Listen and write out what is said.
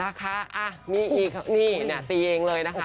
เออนะคะอ่ะมีอีกนี่น่ะตีเองเลยนะคะ